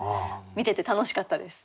見てて楽しかったです。